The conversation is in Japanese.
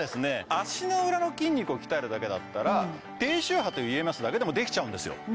足の裏の筋肉を鍛えるだけだったら低周波とＥＭＳだけでもできちゃうんですよ